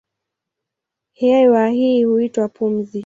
Hewa hii huitwa pumzi.